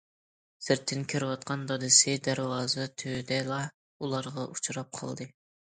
سىرتتىن كىرىۋاتقان دادىسى دەرۋازا تۈۋىدىلا ئۇلارغا ئۇچراپ قالدى.